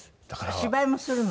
芝居もするの？